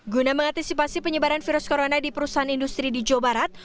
guna mengantisipasi penyebaran virus corona di perusahaan industri di jawa barat